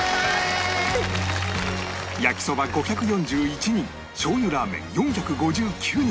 焼きそば５４１人しょう油ラーメン４５９人